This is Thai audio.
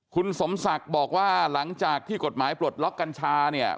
คุณสมศักดิ์บอกว่าหลังจากที่กฎหมายปลดล็อกกัญชาเนี่ย